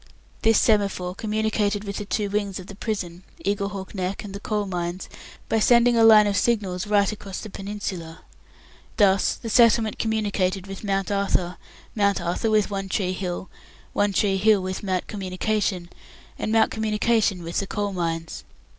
This semaphore communicated with the two wings of the prison Eaglehawk Neck and the Coal Mines by sending a line of signals right across the peninsula. Thus, the settlement communicated with Mount Arthur, Mount Arthur with One tree Hill, One tree Hill with Mount Communication, and Mount Communication with the Coal Mines.